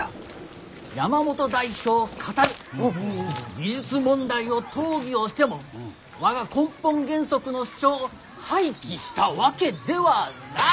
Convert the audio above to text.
「技術問題を討議をしても我が根本原則の主張を廃棄したわけではない」。